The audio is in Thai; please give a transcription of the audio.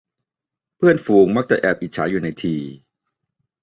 เพื่อนฝูงมักจะแอบอิจฉาอยู่ในที